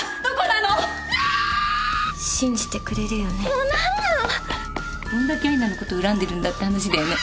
「どんだけ愛奈のこと恨んでるんだって話だよね」